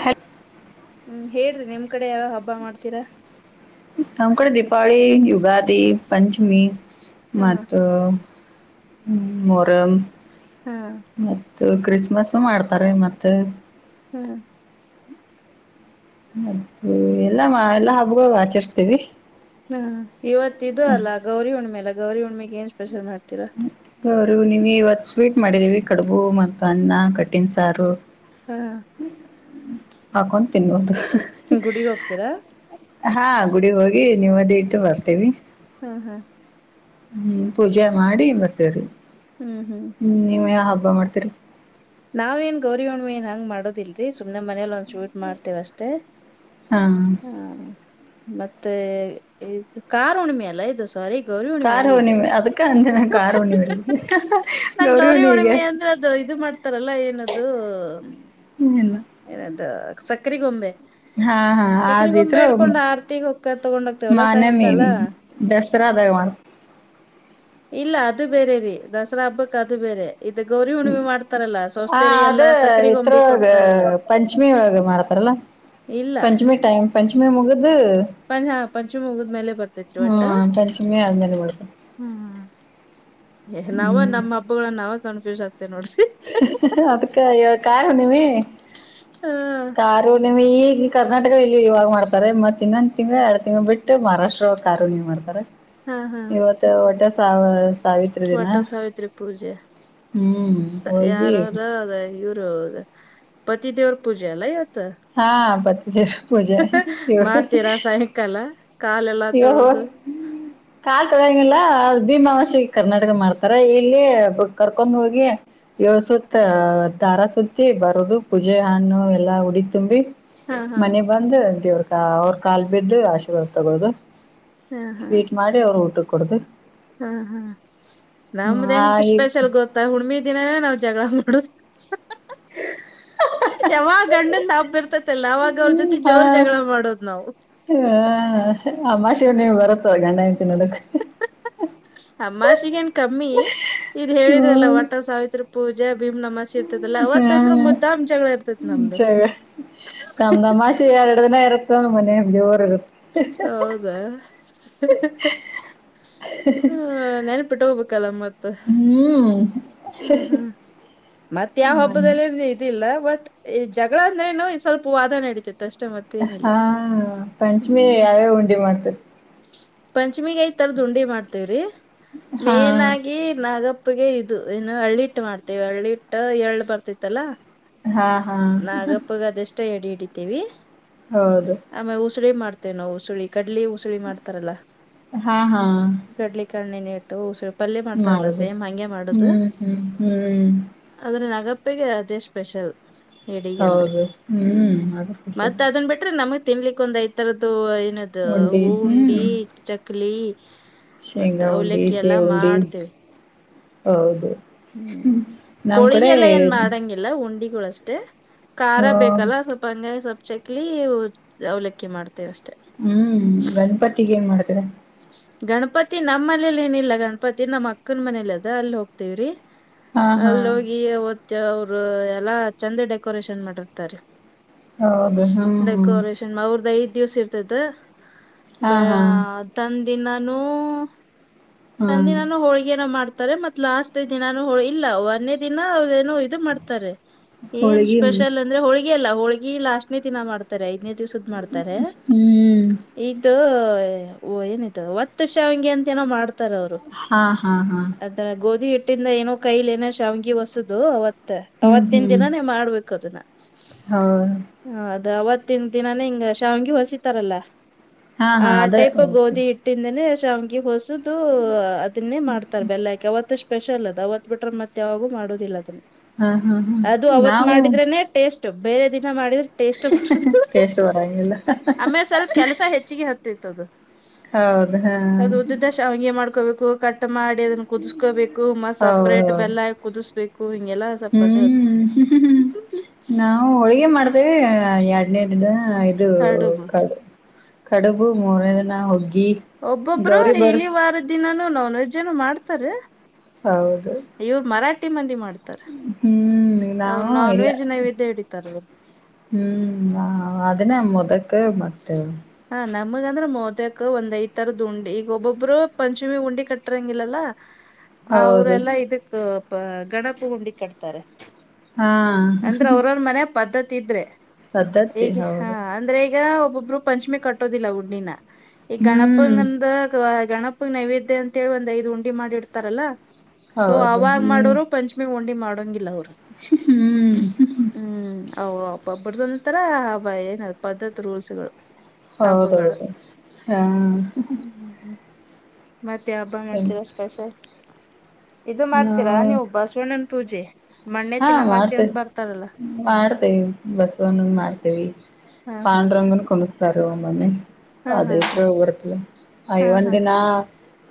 ಹತ್ತು ಹ್ಮ ಹೇಳ್ರಿ ನಿಮ್ ಕಡೆ ಯಾವ ಹಬ್ಬ ಮಾಡ್ತೀರಾ ನಮ್ಮ ಕಡೆ ದೀಪಾವಳ ಯುಗಾದಿ ಪಂಚಮಿ ಹ್ಮ್ ಮತ್ತ ಹ ಮರ ಹ್ಮ್ ಮತ್ತ ಕ್ರಿಸ್ಮಸ್ ಮಾಡ್ತಾರೆ ಮತ್ತೆ ಹ್ಮ್ ಹ್ಮ ಮದೆ ಎಲ್ಲ ಎಲ್ಲಾ ಹಬ್ಬಗಳು ಆಚರಿಸಸ್ತೀವಿ ಹಾ ಇವತ್ಿದದು ಅಲ್ಲ ಗೌರಿ ಹುಣಿೆಲ್ಲ ಗೌರಿ ಹುಣ್ಣ್ಮೆೆಗೆ ಏನ್ ಸ್ಪೆಷಲ್ ಮಾಡ್ತಾರೆ ಅವರು ನೀವ್ ಇವತ್ ಸ್ವೀಟ್ ಮಾಡಿದೀವಿ ಕಡುಬು ಮತ್ತು ಅನ್ನ ಕಟ್ಟಿನ್ ಸಾರು ಹ್ಮ ಹಕೊಂಡ ತಿನ್ನುವದು ಗುಡಿಗೆ ಹೋಗ್ತೀರಾ ಹಾ ಗುಡಿ ಹೋಗಿ ನಿವುದೇ ಇಟ್ಟು ಬರ್ತೇವಿ ಹ್ಮ್ ಹ್ಮ್ ಹ್ಮ್ ಪೂಜೆ ಮಾಡಿ ಬರ್ತೇವ್ರೀ ಹ್ಮ್ ಹ್ಮ್ ಹಬ ಮಾಡ್ತೀರಿ ನಾವ್ ಏನ್ ಗೌರಿ ಹಣ್ಣಿ ಏ ಹಂಗ್ ಮಾಡೋದಿಲ್ರಿ ಸುಮ್ನೆ ಮನೇಲ್ ಒ ಚೂಟ್ ಮಾಡ್ತೇವ ಅಷ್ಟೇ ಹಾ ಮತ್ತೆ ಕಾರ್ ಉಣಿಮೆ ಅಲ್ಲ ಇದು ಸಾರಿ ಗೌರಿ ಹುಣ್ಣಿಮೆ ಕಾರ್ ಅಲ್ಲಿ ಓಣಿ ಇದು ಅದಕ್ಕ ಅಂಜನಾ ಕಾರ್ ಣಿ ಮಾಡ ನಂಗ ಗೌರಿ ಹುಣ್ಣಿಮೆ ಅಂದ್ರೆ ಅದು ಇದು ಮಾಡ್ತಾರಲ್ಲ ಏನದು ಇಲ್ಲ ಏನಂತ ಸಕ್ಕರೆಗೊಂಬೆ ಹಾ ಹಾ ಆ ಸಕ್ರಿಗೊಂಬೆ ದತ್ರರು ಇಡ್ಕೊಂಡ್ ಆರ್ತಿಗ್ ಹೊಕ್ಕ ತಗೊಂಡ್ ಹೋಗ್ತೇವಲ್ಲಾ ಮಾನಮೀ ಸಾಯಂಕಾಲ ದಸರಾ ದ ಇಲ್ಲ ಅದು ಬೇರೆ ರೀ ದಸರಾ ಹಬ್ಬಕ್ ಅದು ಬೇರೆ ಇದು ಗೌರಿ ಹುಣಿವಿ ಮಾಡ್ತಾರಲ್ಲಾ ಆ ಅದ ಸವಸ್ತೆಯರಿಗೆಲ್ಲ ಸಕ್ರೆ ಗೊಂಬಿ ಇದ್ರೊಳಗ ಕೊಡ್ತ ಪಂಚಮಿ ಒಳಗೆ ಮಾಡ್ತಾರಲ್ಲ ಇಲ್ಲ ಪಂಚಮಿ ಟೈಮ್ ಪಂಚಮಿ ಮುಗ್ದ ಪಂ ಹಾ ಪಂಚಮಿ ಮುಗಿದ್ಮೇಲೆ ಬರ್ತೈತ್ರಿ ಹ್ಮ ಒಟ್ಟ ಪಂಚಮಿ ಅದನ್ನಲೆ ಕೊಡತು ಹ್ಮ್ ನಾವ ನಮ್ಮ ಹಬ್ಬಗಳನ್ನ ನಾವೇ ಕನ್ಫ್ಯೂಸ್ ಆಗ್ತ ಅದಕ ಕಾಯ ಹ ನೀಮೀ ಹ ಕಾರಾರ ಉಣಮ ಇಲ್ಲಿ ಕರ್ನಾಟಕ ಇಲ್ಲಿ ಇವಾಗ ಮಾಡ್ತಾರೆ ಮತ್ತ ಇನ್ನೊಂದ್ ತಿಂಗ ಎರಡ್ ತಿಂಗ್ ಬಿಟ್ಟು ಮಹಾರಾಷ್ಟ್ರ ಕಾರುನ ಮಾಡ್ತಾರೆ ಹಾ ಹಾ ಇವತ್ತು ಒಡ್ಡೆ ಸ ವಟ ಸಾವಿತ್ರಿ ಪೂಜೆ ಹ್ಮ್ ಹೋಗಿ ಯಾರಾರದ ಇವ ೌ ಪತಿಿದೇವರ ಪೂಜೆ ಅಲ್ಲ ಹಾ ಪತಿಜವ ಪೂಜೆ ಇವ ಮಾಡ್ತೀರಾ ಸಾಯಂಕಾಲ ಕಾಲೆಲ್ಲಾ ಯ ಹ ತೊಳದು ಕಲ್ ತಳ ಭೀಮಾವಷೆಗೆ ಕರ್ನಾಟಕ ಮಾಡ್ತಾರೆ ಇಲ್ಲಿ ಕರ್ಕೊಂಡ್ ಹೋಗಿ ಯಸ ತರ ಸುತ್ತಿ ಬರುದು ಪೂಜೆ ಹಣ್ಣು ಎಲ್ಲ ಉಡಿ ತುಂಬಿ ಹಾ ಹಾ ಮನೆ ಬಂದ ಅಟವ್ರ ಕ ಅವ್ರ ಕಾಲ್ ಬಿದ್ದ ಆಶೀರ್ವಾದ ತಗೋದು ಹಾ ಹಾ ಸ್ವೀಟ್ ಮಾಡಿ ಅವರು ಊಟ ಕೊಡ್ದ ಹಾ ಹಾ ನಮ್ದ್ ಆ ಹೆಕ್ ಈ ಸ್ಪೆಷಲ್ ಗೊತ್ತ ಹುಣಮಿ ದಿನಾನೇ ನಾವ್ ಜಗಳ ಮಾಡ ಯಾವಾಗ ಗಂಡಂದ ಹಾಬ್ಬಿರ್ತತಿ ಮತ್ತಲ್ಲ ಅವಾಗ ಅವ್ರ ಜೊತೆ ಆ ಜೋರ್ ಜಗಳ ಮಾಡೋದ್ ನಾವವು ನೀ್ ಬರುತ್ತಾವ ಗಂಡಾಯ ತಿನ್ನೋದಕ್ ಅಮ್ಮಷಿಗ ಏನ್ ಕಮ್ಮಿ ಇದ್ ಹೇಳಿದ್ರಲ್ಲ ಹ್ಮ್ ವಟ್ಟ ಸಾವಿತ್ ಪೂಜೆ ಭೀಮ್ ನಮ್ಮಸಿ ಇದಲ್ಲ ಅವವತ್ತಂದ್ರ ಮುದ್ದಾಮ್ ಜಗಳ ಇರ್ತೈತ್ ನಮ್ದು ಮುಂಚೆಾಗ ಕಮ್ಮಂದಮಾಷೆ ಎರಡು ದಿನ ಇರುತ್ತೋಂದ ಮನ ಜೋರ್ ಇರುತ್ತೆ ಹೌದಾ ಹ್ಮ ನೆನಪಿಟ್ಟು ಹೋಗ್ಬೇಕಲ್ಲ ಮತ್ತ ಹ್ಮ್ ಹ್ಮ್ ಹ್ಮ್ ಮತ್ತ ಯಾವ ಹಬ್ಬದಲ್ಲಿ ಏ ಇದತಿಲ್ಲ ಬಟ್ ಈ ಜಗಳ ಅಂದ್ರೆನುೋ ಸ್ವಲ್ಪ ವಾದ ನಡೀತಿತಿ ಹಾ ಪಂಚಮಿ ಹ್ಮ್ ಯಾವ್ಯ ಉಂಡೆ ಮಾಡ್ತರಿ ಲಕ್ಷ್ಮಿಗೈ ತರ ುಂಡಿ ಮಾಡ್ತೇವ್ರಿ ಹಾ ಮೇನ್ ಆಗಿ ನಾಗಪ್ಪಗೆ ಇದು ಏನು ಹಳ್ಳಿಟ್ಟು ಮಾಡ್ತೇವಿ ಹಳ್ಳಿ ಹಿಟ್ಟ ಎಏಳ್ ಬರ್ತಿತ್ತಲ್ಲಾ ಹಾ ಹಾ ನಾಗಪ್ಪಗೆ ಅದೆಷ್ಟ ಎಡಿ ಹೌದು ಆಮೇ ಉಸ ಮಾಡ್ತೇವೆ ನ ಉು ಗಡ್ಲಿ ಉಸುಳಿ ಮಾಡ್ತಾರಲ್ಲ ಹಾ ಹಾ ಗಡ್ಲಿ ಕಣ್ಣನ ಇಟ್ಟು ಉಸ ಪಲ್ೆ ಮಾಡ್ತಾರಲ್ಲ ಮಾಡುದು ಸೇಮ್ ಹಂಗೆ ಮಾಡುದು ಹ್ಮ್ ಹ್ಮ್ ಹ್ಮ್ ಪ್ಪ ಅದೇ ಸ್ಪೆಷಲ್ ಎಡಗ ಅಂದ್ರೆ ಹೌದು ಹ್ಮ್ ಅದು ಖುಷಿ ಮತ್ ಅದನ್ ಬಿಟ್ರೆ ನಮ ತಿನ್ಲಿಕ್ಕ ಒಂದ ಐತರದ್ದು ಏನದ ಉಂಡಿ ಹ ಹ್ಮ್ ಉಂಡಿ ಚಕ್ಲಿ ಮತ್ತ ಶೇಂಗಾ ಉುಂಡಿ ಅವಲಕ್ಕಿ ಎಲ್ಲಾ ಶೇವುಂಡಿ ಮಾಡ್ತೇವಿ ಹೌದು ಹ್ಮ್ ನಮ್ ಕಡೆ ಹೋಳಿಗೆಲ್ಲ ಏನ್ ಮಾಡಂಗಿಲ್ಲ ಉಂಡಿಗಳಷ್ಟೇ ಹ ಖಾರ ಬೇಕಲ್ಲ ಸ್ವಲ್ಪ ಹಂಗಾಗಿ ಸ್ವಲ್ಪ್ ಚಕ್ಲಿ ಅವ್ಲಕ್ಕಿ ಮಾಡ್ತ ಹ್ಮ್ ಗಣಪತಿಗ ಏನ್ ಮಾಡ್ತರ ಗಣಪತಿ ನಮ್ಮ್ ಮನೇಲಿ ಏನಿಲ್ಲ ಗಣಪತಿ ನಮ್ಮ ಅಕ್ಕನ ಮನೇಲಿ ಅದ ಅಲ್ಲಿ ಹೋಗ್ತವ್ರಿ ಹಾ ಹಾ ಅಲ್ಲಿ ಹೋಗಿ ಅವತ್ತ ಅವರು ಎಲ್ಲಾ ಚಂದ ಡೆಕೋರೇಷನ್ ಮಾಡಿರ್ತಾರೆ ಹೌದು ಹ್ಮ್ ಹ್ಮ್ ಡೆಕೋರೇಷನ್ ಅವ್ರ್ದ ಐದು ದಿವ್ಸ ಇರ್ತದ ಬ ಹಾ ಹಾ ತಂದಿನಾನೂ ಹಾ ತಂದದಿನ ನು ಹೋಳ್ಗೆನ ಮಾಡ್ತನಿ ತಾರೆ ಮತ್ ಲಾಸ್ಟ್ ದಿನಾನು ಹೊಲ ಇಲ್ಲ ಒನ್ನೆ ದಿನ ಅವೇನೋ ಇದು ಮಾಡ್ತಾರೆ ಏನ್ ಹೋಳಿಗೆ ಸ್ಪೆಷಲ್ ಅಂದ್ರೆ ಹೋಳ್ಗಿ ಅಲ್ಲ ಹೋಳ್ಗಿ ಲಾಸ್ಟ್ನೇ ದಿನಾ ಮಾಡ್ತಾರೆ ಐದ್ನೇ ದಿವ್ಸದ್ ಮಾಡ್ತಾರೆ ಹ್ಮ್ ಇದು ಓ ಏನಾಯಯ್ತ ಒತ್ತು ಶ ಅವಗೆ ಅಂತ ಏನೋ ಮಾಡ್ತಾರ ಅವ್ರು ಹಾ ಹಾ ಹಾ ಅದ್ರ ಗೋಧಿ ಹಟ್ಟ ಒಟ್ಟಿಂದ ಏನೋ ಕೈಲ ಏನ ಶಾವಂಗಿ ಹೊಸದು ಅವತ್ ಹ್ಮ್ ಅವತ್ತಿನ ಹ್ಮ್ ದಿನಾನೇ ಮಾಡ್ಬೇಕು ಅದು ನಾ ಹೌದು ಹ ಅದ ಅವತ್ತಿನ ದಿನಾನೇ ಹಿಂಗ ಶಾವಿಗೆಿ ಹೊಸಿತಾರಲ್ಲ ಹಾ ಆ ಹಾ ಅದ ಟೈಪ್ ಗೋಧಿ ಇಟ್ಟಿಂದನೇ ಶಾಂವಾಂಗಿ ಹೊಸುದು ಅದನ್ನೇ ಮಾಡ್ತಾರೆ ಬೆಲ್ಲ ಹಾಕಿ ಅವತ್ತಷ್ಟು ಸ್ಪೆಷಲ್ ಅದು ಅವತ್ ಬಿಟ್ರೆ ಮತ್ತೆ ಯಾವಾಗೂ ಮಾಡುದಿಲ್ಲ ಅದನ್ನ ಹಾ ಹಾ ಹಾ ಅದು ಅವತ್ ನಾವು ಮಾಡಿದ್ರೆನೆ ಟೇಸ್ಟ್ ಬೇರೆ ದಿನ ಮಾಡಿದ್ರೆ ಟೇಸ್ಟ್ ಬರೋದಿಲ್ಲ ಟೇಸ್ಟ್ ಬರಂಗಿಲ್ಲ ಆಮೇಲೆ ಸ್ವಲ್ಪ ಕೆಲಸ ಹೆಚ್ಚಿಗೆ ಹತೈತ ಹೌದು ಹಾ ಹೌದು ಉದ್ದ ಉದಾ ಶಾಂವಾಂಗಿ ಮಾಡ್ಕೋಬೇಕು ಮಾಡಿ ಅದನ್ನ ಕುದಿಸ್ಕೋಬೇಕು ಮತ ಸಪ್ರೇಟ್ ಹೌದೌದು ಬೆಲ್ಲ ಹಾಕಿ ಕುದಿಸ್ಬೇಕು ಹಿಂಗೆಲ್ಲ ಸ್ವಲ್ಪ ಅದ ಅದು ಹೂ ಹೂ ನಾವು ಹೊಳಿ ಆದ್ರೆ ಎರಡನೇ ದಿನ ಇದು ಕಡುಬು ಕಾಡು ಕಡುಬು ಮೂರನೇ ದಿನ ಹೂಗಿ ಒಬ್ಬೊಬ್ರು ಇಲ್ಲಿ ವಾರದ ದಿನಾನೂ ನಾನ್ ವೆಜ್ಜನು ಮಾಡ್ತಾರೆ ಹೌದು ಇವ್ರು ಮರಾಠಿ ಮಂದಿ ಮಾಡ್ತಾರೆ ಹ್ಮ್ ಅವರು ನಾವು ನಾನ್ ಇಲ್ಲ ವೆಜ್ ನೈವಿದೆ ಹಿಡಿತಾರೆ ಹ್ಮ್ ಅದನ್ನೇ ಮೊದಕ್ ಮತ್ತೆ ನಮಗ ಅಂದ್ರೆ ಮೊದಕ ಒಂದ್ ಐದ ತರದ ಉಂಡಿ ಈಗ ಒಬ್ಬೊಬ್ಬರು ಪಂಚಮಿ ಉಂಡಿ ಕಟ್ಟ್ರಂಗಿಲ್ಲಲ್ಲಾ ಹೌದು ಅವ್ರಲ್ಲಾ ಇದಕ್ ಗಣಪ ಉಂಡಿ ಕಟ್ತಾರೆ ಹಾ ಅಂದ್ರೆ ಅವ್ರವ್ರ ಮನೆ ಪದ್ಧತಿ ಇದ್ರೆ ಪದ್ಧತಿ ಈಗ ಹ ಹೌದು ಅಂದ್ರೆ ಈಗ ಈಗ ಒಬ್ಬೊಬ್ರು ಪಂಚಮಿ ಕಟ್ಟೋದಿಲ್ಲ ಉಂಡಿನಾ ಈಗ ಹ್ಮ್ ಗಣಪಂಗಂದ ಗಣಪ ನೈವೇದ್ಯ ಅಂತೇಳಿ ಒಂದ್ ಐದೂ ಉಂಡಿ ಮಾಡಿಡ್ತಾರಲ್ಲಾ ಸೊ ಹೌದು ಅವಾಗ ಮಾಡೋರು ಪಂಚಮಿ ಉಂಡಿ ಮಾಡೋರು ಹೂ ಅದು ಒಂತರ ಏನ ಅದ ಪದ್ಧತಿ ರೂಲ್ಸ್ ಗಳು ಹೌದೌದು ಹಾ ಹ್ಮ್ ಮತ್ತೆ ಹಬ್ಬ ಚ ಮಾಡ್ತೀರಾ ಸ್ಪೆಷಲ್ ಇದು ಮಾಡ್ತೀರಾ ನಾವು ನೀವು ಬಸವಣ್ಣನ ಪೂಜೆ ಹಾ ಮಣ್ಣೆತ್ತಿನ ಅಮಾವಾಸ್ಯೆ ಅಂತ ಮಾಡ್ತೇವಿ ಬರ್ತಾರಲ್ಲ ಮಾಡ್ತೇವಿ ಬಸವವನ್ನು ಮಾಡ್ತೇವಿ ಹಾ ಹಾ ಪಾಂಡುರಂಗನ ಕುಣುಸ್ತರು ಒಮ್ಮ ಒಮ್ಮೆ ಹಾ ಹಾ ಅದೇತ್ರ ಊರಲ್ಲ ಹಾ ಹಾ ಅಯವಂದಿನಾ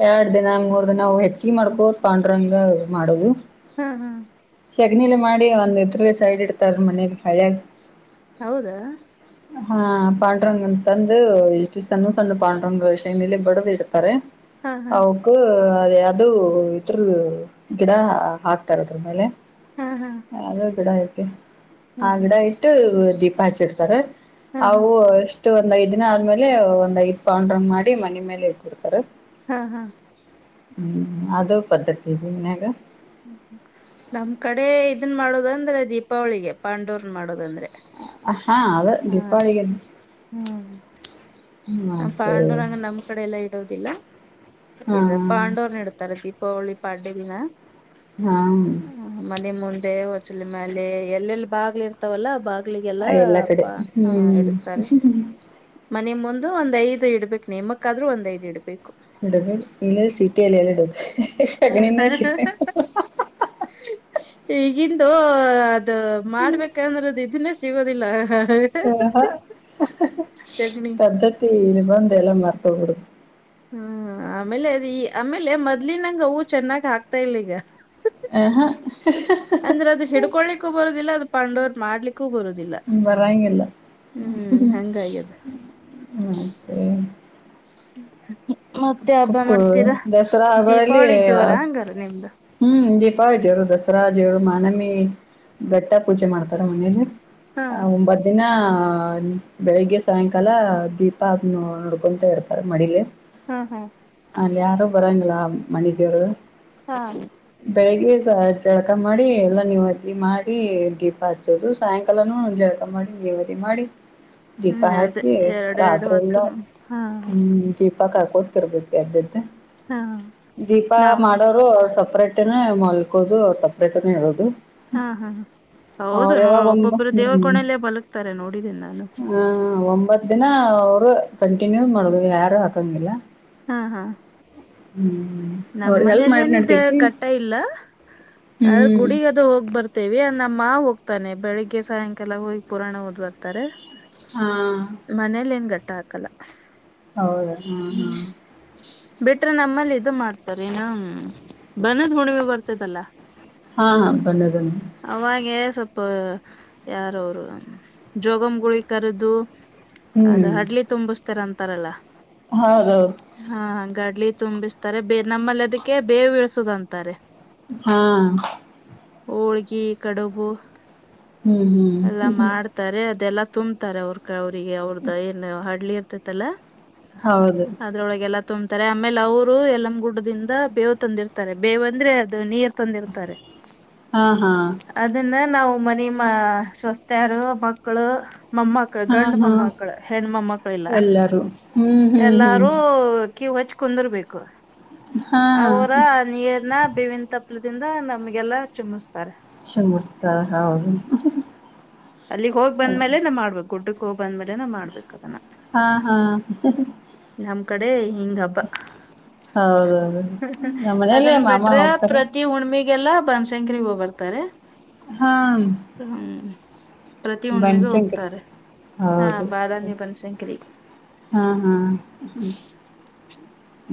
ಎರಡು ದಿನ ಮೂರ್ ದಿನ ಅವು ಹೆಚ್ಚಿಗೆ ಮಾಡ್ಬೋದು ಪಾಂಡುರಂಗ ಮಾಡೋದು ಹ್ಮ್ ಹ್ಮ್ ಶೆಗನಿಲಿ ಮಾಡಿ ಒಂದ್ ಇದ್ರ ಸೈಡ್ ಇಡ್ತಾರ ಮನಲಿ ಹಳಿಯಾಗ ಹೌದಾ ಹಾ ಪಾಂಡ್ರಂಗನಾ ತಂದು ಇಷ್ಟಿವ ಸಣ್ಣ ಸಣ್ಣ ಪಾಂಡ್ರಂಗ್ ಶೈನಲಿ ಬಡದ ಇಡ್ತಾರೆ ಹಾ ಹಾ ಅವಕ ಅದು ಇದ್ರ ಗಿಡ ಹಾಕ್ತಾರದ್ರ ಮೇಲೆ ಹಾ ಹಾ ಅ ಗಿಡ ಐತಿ ಆ ಹ್ಮ್ ಗಿಡ ಹ್ಮ್ ಇಟ್ಟು ದೀಪ ಹಚ್ಚಿಡ್ತಾರ ಹಾ ಹಾ ಅವು ಎಷ್ಟು ಒಂದ್ ಐದ್ ದಿನ ಆದ್ಮೇಲೆ ಒಂದ್ ಐದ್ ಪೌಂಡ್ರಂಗ್ ಮಾಡಿ ಮನೆ ಮೇಲೆ ಇಟ್ಟ ಬಿಡ್ತಾರೆ ಹಾ ಹಾ ಹ್ಮ್ ಅದು ಪದ್ಧತಿ ಹೂಂಗ ನ್ಯಾಗ ಹ್ಮ ನಮ್ ಕಡೆ ಇದನ್ ಮಾಡೋದಂದ್ರೆ ದೀಪಾವಳಿಗೆ ಪಾಂಡವರ್ನ್ ಮಾಡೋದಂದ್ರೆ ಹಾ ಅದು ಹಾ ಗಿಪ್ಪಳಗೆ ಹ್ಮ್ ್ಮ ಮತ್ತ ಪಾಂಡೂರಂಗ ನಮ್ ಕಡೆ ಎಲ್ಲ ಇಡೋದಿಲ್ಲ ಇದು ಪಾಂಡವರನ ಇಡ್ತಾರೆ ದೀಪಾವಳಿ ಪಾಡ್ಡ ದಿನ ಹಾ ಹ ಮನೆ ಮುಂದೆ ಹೊಚಲ್ ಮ್ಯಾಲಲೆ ಎಲ್ಲೆಲ್ಲಿ ಬಾಗ್ಲಿ ಇರ್ತಾವಲ್ಲ ಬಾಗ ಲ್ಬಾಗಿಲಿಗೆಲ್ಲ ಎಲ್ಲಾ ಕಡೆ ಹ್ಮ್ ಇಡುತ್ತಾರೆ ಮ ಮು ಒಂದ್ ಐದ ಇಡ್ಬೇಕು ನಿಯಮಕ್ಕಾದ್ರೂ ಒಂದ್ ಐದ ಇಡ್ಬೇಕು ಹಡ ಇನ್ನ ಸೀಟಿ ಅಲ್ಲಲ್ಲ ಇಡು [unintelligible] ಈಗಿಂದು ಅದು ಮಾಡ್ಬೇಕಂದ್ರದು ಇದನ್ನೇ ಸಿಗೋದಿಲ್ಲ ಹ ಶಗ್ಣಿ ಪದ್ಧತಿ ನಿಬಂದ ಎಲ್ಲ ಮಾರ್ತೊಗಿ ಬಿಡು ಹ್ಮ್ ಆಮೇಲೆ ಅದ ಈ ಆಮೇಲೆ ಮೊದ್ಲಿನಂಗ ಹೂ ಚೆನ್ನಾಗ್ ಹಾಕ್ತಾ ಇಲ್ಲ ಈಗ ಆಹಾ ಅಂದ್ರೆ ಅದು ಹಿಡ್ಕೊಳ್ಕ್ಕ ಬರದಿಲ್ಲ ಅದು ಪಾಂಡವರ್ ಹ್ಮ ಬರಂಗಿಲ್ಲ ಹ್ಮ್ ಹಂಗಾಗ್ಯದ. ಆ ಆ ಹ್ಮ ಹ ಮತ್ತೆ ಹಬ್ಬ ಕುಪ್ಪು ಮಾಡ್ತೀರ ದಸರಾ ಹಬ್ಬದಲ್ಲಿ ದೀಪಾವಳಿ ಜೋರ ಹಂಗಲ್ಲ ನಿಮ್ದ ಬಬ್ಬಾ ಜಿಯವರು ದಸರಾ ಜೆಯವರು ಮಾನಮಿ ಘಟ್ಟ ಪೂಜೆ ಮಾಡ್ತಾರೆ ಮನೇಲಿ ಹಾ ಹ ಒಂಬತ್ ದಿನ ಆ ಬೆಳಿಗ್ಗೆ ಸಾಯಂಕಾಲ ದೀಪ ಅದ ನೋಡ್ಕೊಂತ ಇರ್ತಾರೆ ಮಡಿಲಿ ಹಾ ಹಾ. ಅಲ್ಲಿ ಯಾರು ಬರೋಂಗಿಲ್ಲ ಮನಿದೇವರು ಹಾ ಬೆಳಿಗ್ಗೆ ಜಳಕ ಮಾಡಿ ಎಲ್ಲಾ ನೀವು ಅದ್ದಿ ಮಾಡಿ ದೀಪ ಹಚ್ಚೋದು ಸಾಯಂಕಾಲನುೂ ಜಳಕ ಮಾಡಿ ಪೂಜೆ ಮಾಡಿ ದೀಪ ಹ್ಮ್ ಅದೇ ಹಚ್ಚಿ ಎರಡೆರಡು ರಾತ್ರಿಲ್ಲ ಹೊತ್ತು ಹಾ ಹ್ಮ ದ ಕೊತಿರ್ಬೇಕು ಯ್ದ ಹಾ ದೀಪ ನಾ ಮಾಡೋರು ಸಪ್ರೇಟ್ನ ಮಲ್ಕೋದು ಸಪ್ರೇಟ್ನ ಇರೋದು ಹಾ ಹಾ ಹೌದು ನ ಒಂಬ ಒಬ್ಬೊಬ್ಬರು ದೇವ್ರ ಹ್ಮ್ ಕೋಣಲ್ಲೇ ಬಲಕ್ತಾರೆ ನೋಡಿದ್ದೇನೆ ನಾನು ಆ ಒಂಬತ್ ದಿನ ಅವರು ಕಂಟಿನ್ಯೂ ಮಾಡದು ಯಾರು ಹಾಕಂಗಿಲ್ಲ ಹಾ ಹಾ ಹ್ಮ್ ನಮ್ ಅವ್ರಿಗೆ ಹೆಲ್ಪ್ ಮನೇಲಿ ನ್ ಮಾಡಿದ್ ನಡ್ತೈತಿ ಘಟ್ಟ ಇಲ್ಲ ಅದ್ರ ಹ್ಮ್ ಗುಡಿಗದು ಹೋಗ್ ಬರ್ತೆೇವಿ ನಮ್ಮ ಹೋಗ್ತ ತಾನೆ ಬೆಳಿಗ್ಗೆ ಸಾಯಂಕಾಲ ಹೋಗಿ ಪುರಾಣ ಓದ್ ಬರ್ತಾರೆ ಹಾ ಮನೇಲಿ ಏನ್ ಗಟ್ಟ ಹಾಕಲ್ಲ ಹೌದ ಹಾಞ ಹಾಂ ಬಿಟ್ರ ನಮ್ಮಲ್ಲಿ ಇದು ಮಾಡ್ತಾರನ ಬನದ್ ಹುಣಿವೆ ಬರ್ತದಲ್ಲಾ ಹಾ ಹಾ ಬನ್ನ ಬನ್ನ ಅವಾಗೆ ಸ್ವಲ್ಪ ಯಾರ ಅವರು ಜೋಗಮ್ಗಳುಗಳಿ ಕರೆದು ಅದ ಹ್ಮ್ ಅಡ್ಲಿ ತುಂಬಿಸತಾರ ಅಂತಾರಲ್ಲ ಹೌದೌದು ಹಾ ಹಾಗ ಅಡ್ಲಿ ತುಂಬಿಸ್ತಾರೆ ಬೇ ನಮ್ಮಲ್ಲಿ ಅದಕ್ಕೆ ಬೇವು ಇಳಸುದಂತಾರೆ ಹಾ ಹೋಳ್ಗಿ ಕಡುಬು ಹ್ಮ್ ಎಲ್ಲ ಹ್ಮ್ ಮಾಡ್ತಾರೆ ಅದೆಲ್ಲ ತುಂಬತಾರೆ ಅವ ಅವಿಗೆ ಅವ್ರ್ದ ಏನು ಹಡ್ಲಿ ಇರ್ತೈತಲ್ಲ ಹೌದು ಅದ್ರ ತೊಂಬತಾರೆ ಆಮೇಲೆ ಅವರು ಎಲಂ್ ಗುಡ್ಡದಿಂದ ಬೇವು ತಂದಿರ್ತಾರೆ ಬೇವು ಅಂದ್ರೆ ಅದು ನೀರ್ ತಂದಿರ್ತಾರೆ ಹಾ ಹಾ ಅದನ್ನ ನಾವು ಮನಿ ಮಾ ಸವಸ್ತಾರು ಮಕ್ಕಳು ಮಮ್ಮಕ್ಕಳ ಹಾ ಗಂಡ ಹಾ ಮಮ್ಮಕ್ಕಳ ಹೆಣ ಮಮ್ಮಕ್ಕಳ ಇಲ್ಲ ಎಲ್ಲರೂ ಹ್ಮ್ ಹ್ಮ್ ಹ್ಮ್ ಎಲ್ಲಾರೂ ಕೀವು ಹಚ್ ಕುಂದಿರ್ಬೇಕು ಹಾ ಅವರ ನೀರ್ನ ಬೇವಿನ ತಪ್ಲದಿಂದ ನಮ್ಗೆಲ್ಲಾ ಚುಮಸ್ತ ಚಿಮುಡ್ಸ್ತಾಳ ಹೌದು ಹ್ಮ ಅಲ್ಲಿಗ್ ಹೋಗ್ ಬಂದ್ಮೇಲೆ ನ ಮಾಡ್ಬೇಕು ುಡ್ಡ ಸ್ಕೋಬ ಬಂದ್ಮೇಲೆ ನ ಮಾಡ್ಬೇಕ ಅದನ್ನ ಹಾ ಹಾ ನಮ್ಮ್ ಕಡೆ ಹಂಗ್ ಹಬ್ಬ ಹೌದೌದು ನಮ್ಮ ಮನೇಲಿ ಅದನ್ ಮಾಮ ಬಿಟ್ರೆ ಹೋಗ್ತಾರ ಪ್ರತಿ ಹುಣಮೆ ಈಗೆಲ್ಲಾ ಬನಶಂಕರಿ ಹೋಗ ಬರ್ತಾರೆ ಹ್ಮ ಬನ್ಶಂಕರ ಹಾ ಹೌದು ಬಾದಾಮಿ ಬನಶಂಕರಿ ಹಾ ಹಾ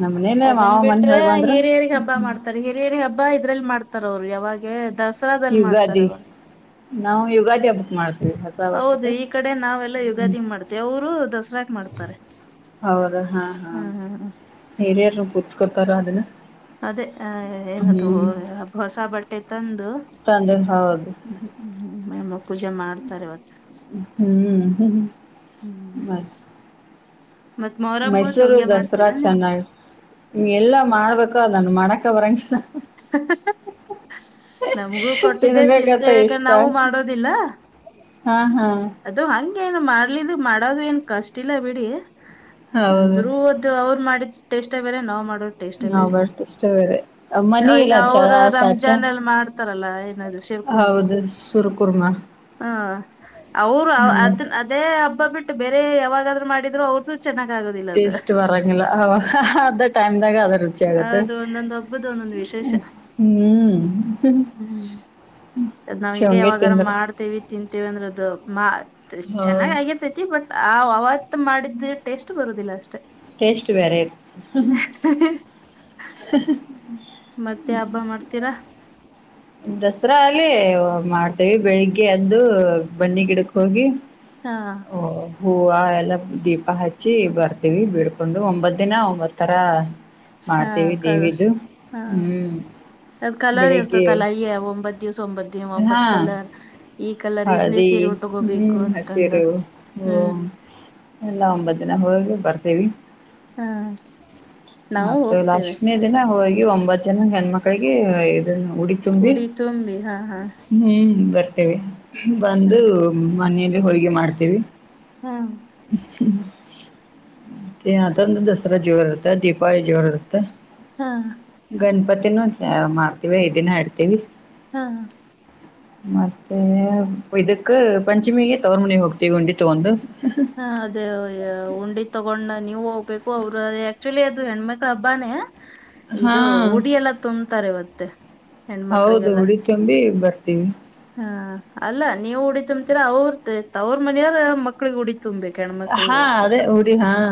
ನಮ್ಮ ಮನೇಲೆ ಅದನ್ ಮಾವ ಮನೆ ಬಿಟ್ರೆ ಹೋಗಿ ಬಂದ್ರು ಹಿರಿಯರಿಗೆ ಹಬ್ಬ ಮಾಡ್ತಾರೆ ಹಿರಿಯರಿಗೆ ಹಬ್ಬ ಹಬ್ಬಾ ಇದ್ರಲ್ಲಿ ಮಾಡ್ತಾರ ಅವ್ರು ಯಾವಾಗೆ ದಸರಾದಲ್ಲಿ ಮಾಡ್ತಾರ ಯುಗಾದಿ ಅವ್ರು ನಾವು ಯುಗಾದಿ ಹಬುಕ್ ಮಾಡ್ವಿ ಹೌದು ಈ ಕಡೆ ನಾವೆಲ್ಲ ಹ್ಮ ಯುಗಾದಿಂಗ ಮಾಡ್ತೇವಿ ಅವರು ದಸರಾಾಗ ಮಾಡ್ತಾರೆ ಹೌದಾ ಹಾ ಹಾ ಹ್ಮ್ ಹ್ಮ್ ನೀರಾರರು ಪೂತ್ಸ್ಕೊತಾರ ಅದನ್ನ ಅದೇ ಅ ಏನದು ಹ್ಮ್ ಹೊಸ ಬಟ್ಟೆ ತಂದ ತಂದ್ರ ಹೌದು ಮಮ್ಮ ಪೂಜೆ ಮಾಡ್ತಾರೆವತ್ ಹ್ಮ್ ಬ ಮತ್ ಮೊಹರಂ ಮೈಸೂರು ಚೊಂಗ್ಯ ದಸರಾ ಮಾಡ್ತೀರಾ ಚೆನ್ನಾಗಿ ಎಲ್ಲಾ ಮಾಡ್ಬೇಕಾದ ನಾನು ಮಾಡಕ ಬರಂಗಿಲ್ಲ ಹ ನಮಗೂ ಕೊಟ್ಟಿದ್ದೆ ತಿನ್ಬೇಕತ್ತ ತಿಂತೇಬೇಕ ಇಷ್ಟ ನಾವವು ಮಾಡೋದಿಲ್ಲ ಹಾ ಹಾ ಅದು ಹಗೆ ಏನು ಮಾಡ್ಲಿದು ಮಾಡೋದು ಏನ್ ಕಷ್ಟ ಇಿಲ್ಲ ಬಿಡಿ ಹೌದು ಅಂದ್ರರು ಒದ ಅವ್ರು ಮಾಡಿದ ಟೇಷ್ಟ ಬೇರೆ ನಾವ್ ಮಾಡ ಟೇಸ್ೇ ನಾವ್ ಬೇರೆ ಬರ್ತ ಇಷ್ಟ ಬೇರೆ ಮನಿ ಈಗ ಇಲ್ಲ ಅವರು ಚ ಸಾಚ ರಂಜಾಾನ ಎಲ್ಲಿ ಮಾಡ್ತಾರಲ್ಲ ಏನ ಹೌದು ಸುರ್ ಕುರ್ಮ ಹ ಅವ್ರು ಅದ ಅದೇ ಹಬ್ಬ ಬಿಟ್ಟು ಬೇರೆ ಯಾವಾಗಾದ್ರು ಮಾಡಿದ್ರು ಅವ್ರ್ದು ಚೆನ್ನಾಗ್ ಆಗೋದಿಲ್ಲ ಅದು ಟೇಸ್ಟ್ ಬರಂಗಿಲ್ಲ ಅವ ಅ ಟೈಮ್ ದಾಗ ಅದರ್ ಅದು ಒಂದೊಂದ ಹಬ್ಬದ ಒಂದೊಂದು ವಿಶೇಷ ಹ್ಮ್ ಹ್ಮ್ ಹ ನಾವ್ ಹಿಂಗ ಶೇವಂಗೆ ಯಾವಾಗಾರ ತಿಂದ್ರ ಮಾಡ್ತೇವಿ ತಿಂತೇವಿ ಅಂದ್ರ ಅದು ಚೆನ್ನಾಗ್ ಹೌದು ಆಗಿರ್ತೈತಿ ಬಟ್ಾಗ ಹತ್ ಮಾಡಿದ ಟೇಸ್ಟ್ ಬರುದಿಲ್ಲ ಅಷ್ಟೇ ಟೇಸ್ಟ್್ ಬರೆ ಹ್ಮ್ ಮತ್ತೆ ಹಬ್ಬ ಮಾಡ್ತೀರಾ ದಸರಾ ಅಲ್ಲಿ ಮಾಡ್ತೇವಿ ಬೆಳಿಗ್ಗೆ ಅದ್ದು ಬನ್ನಿ ಗಿಡಕ್ ಹೋಗಿ ಹಾ ಓ ಹ ಆ ಎಲ್ಲ ದೀಪ ಹಚ್ಚಿ ಬರ್ತೀವಿ ಬೀಡ್ಕೊಂಡು ಒಂಬತ್ ದಿನ ಒಂಬತ್ ತರ ಹಾ ಮಾಡ್ತೇವಿ ಕಲ್ ದೇವಿದು ಹಾ ಹ್ಮ್ ಅದ್ ಕಲರ್ ಬೆಳಿಗ್ಗೆ ಇರ್ತತಲ್ಲ ಅಯ್ಯ ಒಂಬತ್ ದಿವ್ಸ ಒಂಬತ್ ದಿನ ಹಾ ಒಂಬತ್ ಕಲರ್ ಈ ಕಲರ್ ಇದನೇ ಸೇರೆ ಉಟಗೋಬೇಕು ಅಂತಂದ್ರ ಓ ಎಲ್ಲ ಒಂಬತ್ ದಿನ ಹೋಗ ಬರ್ತೇವಿ ಹ ನಾವು ಮತ್ತ ಹೋಗ್ತೇವೆ ಲಷ್ಟನೇ ದಿನ ಹೋಗಿ ಈ ಒಂಬತ್ತು ಜನ ಹೆಣ್ಮಕ್ಳಿಗೆ ಇದ ಉಡಿ ತುಂಬಿ ತುಂಬಿ ಹಾ ಹಾ ಹ್ಮ್ ಬರಿ ಬಂದು ಹಾ ಮನೆಯಲ್ಲಿ ಹೋಳ್ಿಗೆ ಮಾಡ್ತೇವಿ ತಂದ ದಸರಾ ಜೋರ ಇರುತ್ತೆ ದೀಪಾವಳಿ ಜೋರ ಇರುತ್ತೆ ಹಾ ಗಣಪತಿನೂ ಮಾಡ್ತೀವಿ ದಿನ ಇಡ್ತೀವಿ ಹಾ ಮತ್ತೆ ಇದಕ್ಕ ಪಂಚಮಿಗೆ ತವರ್ ಮನಿ ಹೋಗ್ತೀವಿ ಉಂಡಿ ತಗೊಂಡು ಹಾ ಅದೇ ಉಂಡಿ ತಗೊಂಡ ನೀ ನೀವು ಹೋಗ್ಬೇಕು ಅವರು ಅ ಆಕ್ಚುಲಿ ಅದು ಹೆಣ್ಮಕ್ಳ ಹಬ್ಬಾನೇ ಹಾ ಇದು ಉುಡಿ ಎಲ್ಲ ತುಂಬ್ತಾರೆವತ್ತೆ ಹೆಣ್ಮಕ್ಳಿಗೆಲ್ಲ ತ್ತ ಹ ಅಲ್ಲ ನೀವು್ ಉಡಿ ತುಂಬತೀರಾ ಅವ್ರ್ತ ಅವ್ರ ಮನೆಯಾರ ಮಕ್ಳಗ್ ಉುಡಿ ತುಂಬ್ಬೇಕು ಹೆಣ ಮಕ್ಳಿಗೆ ಹಾ ಅವತ್ತ ಅದೇ ಉಡಿ ಹಾ